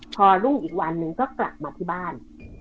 พอรุ่งอีกวันนึงก็กลับมาที่บ้าน